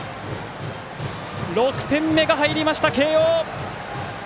６点目が入りました、慶応！